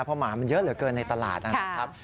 เพราะหมามันเยอะเหลือเกินในตลาดนะครับ